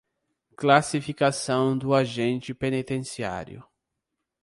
Classificação do agente penitenciário